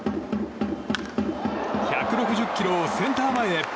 １６０キロをセンター前へ。